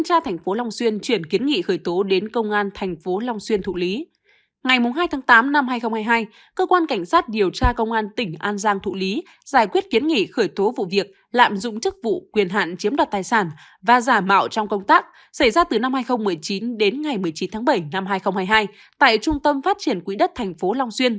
trước đó ngày ba mươi một tháng ba cơ quan cảnh sát điều tra công an tỉnh an giang đã tống đạt các quyết định khởi tố lệnh bắt tạm giam và môi trường tp long xuyên với cùng tội danh trên